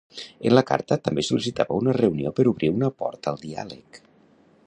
En la carta també sol·licitava una reunió per obrir una porta al diàleg.